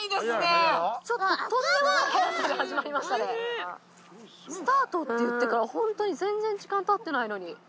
スタートって言ってからホントに全然時間経ってないのに。